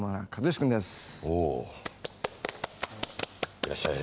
いらっしゃい。